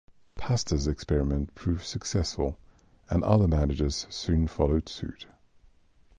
Pastor's experiment proved successful, and other managers soon followed suit.